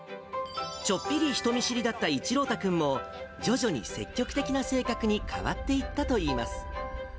ちょっぴり人見知りだった一朗太君も、徐々に積極的な性格に変わっていったといいます。